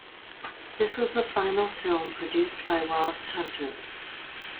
This was the final film produced by Ross Hunter.